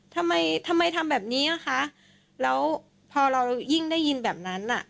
ทำไมทำไมทำแบบนี้อ่ะคะแล้วพอเรายิ่งได้ยินแบบนั้นอ่ะ